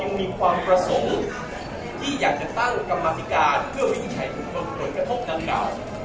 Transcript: เรามีความประสงค์ที่อยากจะตั้งกรรมศิการเพื่อวินิจฉัยถูกกดกระทบนำเก่า